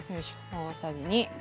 大さじ２。